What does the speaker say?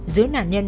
giữa nạn nhân